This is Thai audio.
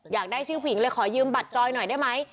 อยากได้ชื่อผู้หญิงเลยขอยืมบัตรจอยหน่อยได้ไหม